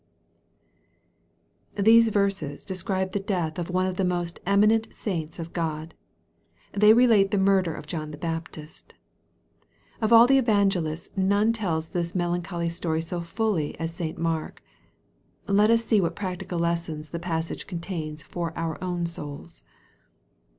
THESE verses describe the death of one of the most emi nent saints of God. They relate the murder of John the Baptist. Of all the evangelists none tells this melan choly story so fully as St. Mark. Let us see what prac tical lessons the passage contains for our own souls.